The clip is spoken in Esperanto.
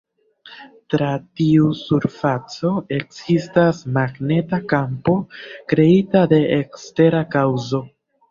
Tra tiu surfaco ekzistas magneta kampo kreita de ekstera kaŭzo.